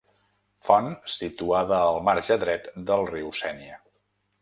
Font situada al marge dret del riu Sénia.